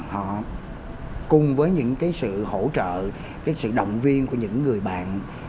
họ cùng với những cái sự hỗ trợ cái sự động viên của những người bạn